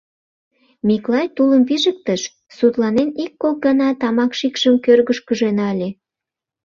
Миклай тулым пижыктыш, сутланен ик-кок гана тамак шикшым кӧргышкыжӧ нале.